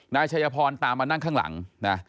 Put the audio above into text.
นายชัยพรตามมานั่งข้างหลังนะ